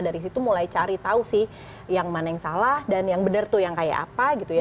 jadi aku disitu mulai cari tahu sih yang mana yang salah dan yang bener tuh yang kayak apa gitu ya